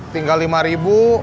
tinggal lima ribu